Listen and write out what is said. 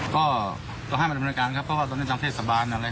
ก็ห้ามเป็นบริษัทการครับเพราะว่าตอนนี้ทางเทศสะบานอะไร